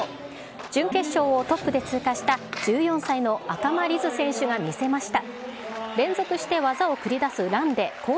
準決勝をトップで通過した１４歳の赤間凛音選手が見せました。